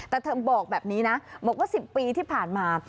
แต่เธอบอกแบบนี้นะบอกว่า๑๐ปีที่ผ่านมา